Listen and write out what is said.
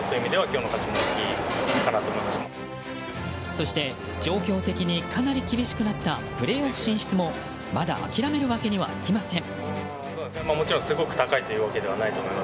そして、状況的にかなり厳しくなったプレーオフ進出もまだ諦めるわけにはいきません。